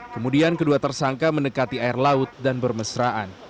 kemudian kedua tersangka mendekati air laut dan bermesraan